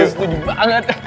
gue setuju banget